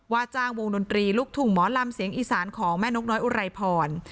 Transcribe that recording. จ้างวงดนตรีลูกทุ่งหมอลำเสียงอีสานของแม่นกน้อยอุไรพร